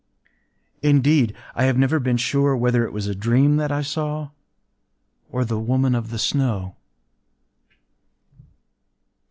Indeed, I have never been sure whether it was a dream that I saw, or the Woman of the Snow.